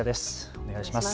お願いします。